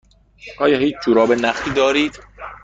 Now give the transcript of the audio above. آیا هیچ جوراب نخی دارید؟